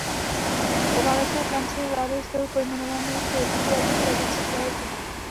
V poválečné Francii vládl styl pojmenovaný kritiky jako "tradice kvality".